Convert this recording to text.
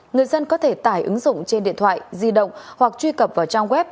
người dân có thể tải ứng dụng trên điện thoại di động hoặc truy cập vào trang web